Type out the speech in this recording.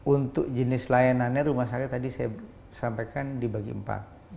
untuk jenis layanannya rumah sakit tadi saya sampaikan dibagi empat